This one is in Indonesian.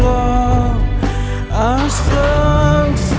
terima kasih pajit